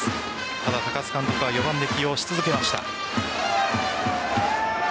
ただ、高津監督は４番で起用し続けました。